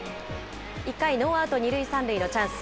１回ノーアウト２塁３塁のチャンス。